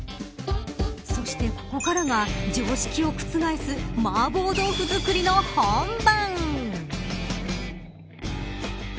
そして、ここからが常識を覆すマーボー豆腐作りの本番。